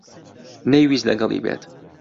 نەیویست لەگەڵی بێت.